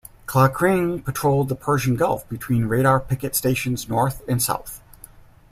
"Klakring" patrolled the Persian Gulf between Radar Picket Stations North and South.